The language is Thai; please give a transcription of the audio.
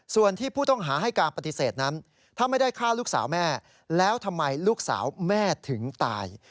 ส่วนที่ผู้ต้องหาให้การปฏิเสธนั้นถ้าไม่ได้ฆ่าลูกสาวแม่แล้วทำไมลูกสาวแม่ถึงตาย